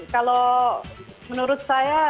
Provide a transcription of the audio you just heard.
kalau menurut saya